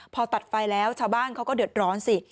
พอตัดไฟแล้วชาวบ้านเขาก็เดือดร้อนสิ